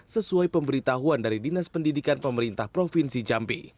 sesuai pemberitahuan dari dinas pendidikan pemerintah provinsi jambi